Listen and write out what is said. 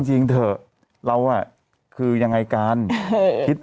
ช้านไงพี่